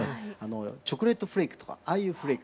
チョコレートフレークとかああいうフレーク。